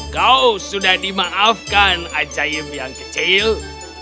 kau sudah dimaafkan ajaib yang kecil